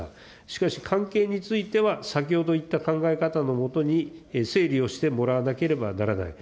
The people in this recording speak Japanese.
しかし、関係については、先ほど言った考え方の下に整理をしてもらわなければならない。